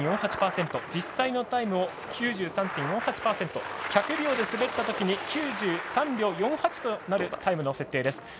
実際のタイムを９３．４８％１００秒で滑ったときに９３秒４８となるタイムの設定です。